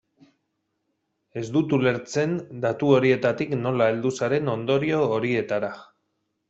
Ez dut ulertzen datu horietatik nola heldu zaren ondorio horietara.